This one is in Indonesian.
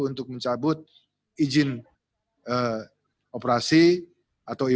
untuk mencabut izin operasi atau izin